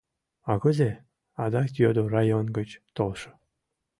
— А кузе? — адак йодо район гыч толшо.